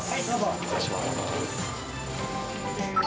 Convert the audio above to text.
失礼します。